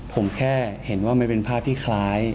ผมแค่เห็นว่ามันเป็นภาพที่คล้าย